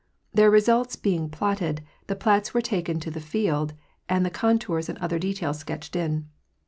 Their results being platted, the plats were taken to the field and the contours and other details sketched in.